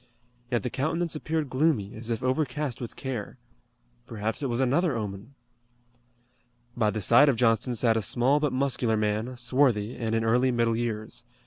Yet the countenance appeared gloomy, as if overcast with care. Perhaps it was another omen! By the side of Johnston sat a small but muscular man, swarthy, and in early middle years.